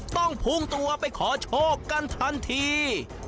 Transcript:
พุ่งตัวไปขอโชคกันทันที